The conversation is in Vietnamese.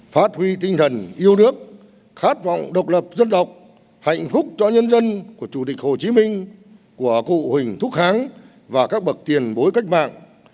phát huy tinh thần yêu nước khát vọng độc lập dân tộc hạnh phúc cho nhân dân của chủ tịch hồ chí minh của cụ huỳnh thúc kháng và các bậc tiền bối cách mạng